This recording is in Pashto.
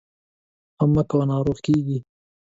غم مه کوه ، ناروغ کېږې!